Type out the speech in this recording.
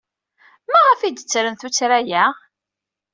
Maɣef ay d-ttren tuttra-a?